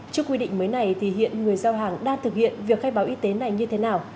trước quy định mới này thì hiện người giao hàng đang thực hiện việc khai báo y tế này như thế nào